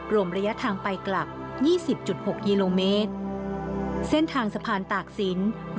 รวมระยะทางไปกลับยี่สิบจุดหกกิโลเมตรเส้นทางสะพานตากศิลป์